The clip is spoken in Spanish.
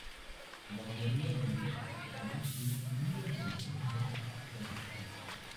La mayoría de los baluchi viven en el sur de Afganistán.